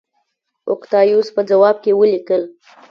اوکتایوس په ځواب کې ولیکل